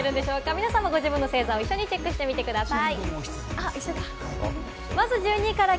皆さんもご自身の星座をチェックしてみてください。